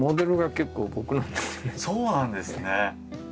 そうなんですね。